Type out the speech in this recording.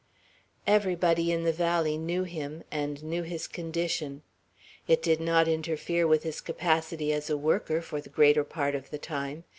Everybody in the valley knew him, and knew his condition. It did not interfere with his capacity as a worker, for the greater part of the time.